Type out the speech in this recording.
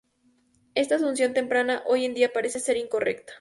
Esta asunción temprana hoy en día parece ser incorrecta.